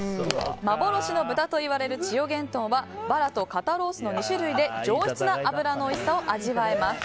幻の豚といわれる千代幻豚はバラと肩ロースの２種類で上質な脂のおいしさを味わえます。